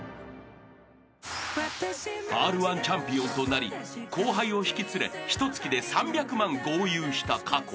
［Ｒ−１チャンピオンとなり後輩を引き連れひとつきで３００万豪遊した過去］